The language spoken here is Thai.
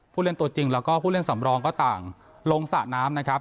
เล่นตัวจริงแล้วก็ผู้เล่นสำรองก็ต่างลงสระน้ำนะครับ